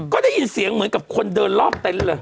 ก็ได้ยินเสียงเหมือนกับคนเดินรอบเต็นต์เลย